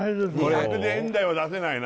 ２００円台は出せないな